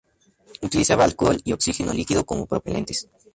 Utilizaba alcohol y oxígeno líquido como propelentes.